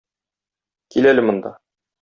Кил әле монда.